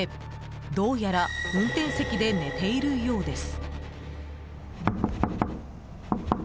どうやら運転席で寝ているようです。